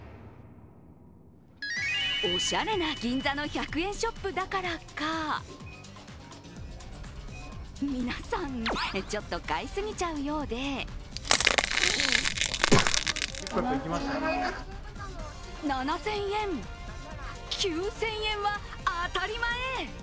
おしゃれな銀座の１００円ショップだからか皆さん、ちょっと買い過ぎちゃうようで７０００円、９０００円は当たり前。